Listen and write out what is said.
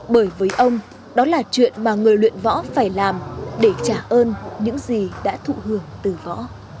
bởi với ông đó là chuyện mà người luyện võ phải làm để trả ơn những gì đã thụ hưởng từ võ